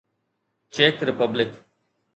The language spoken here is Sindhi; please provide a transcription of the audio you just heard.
check republic